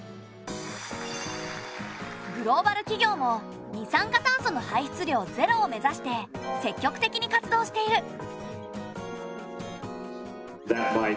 グローバル企業も二酸化炭素の排出量ゼロを目指して積極的に活動している。